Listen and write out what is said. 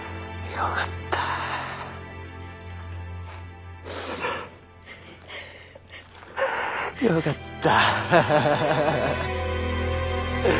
よかったよかった。